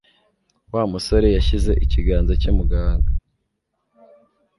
Wa musore yashyize ikiganza cye mu gahanga.